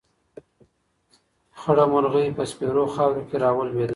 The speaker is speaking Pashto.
خړه مرغۍ په سپېرو خاورو کې راولوېده.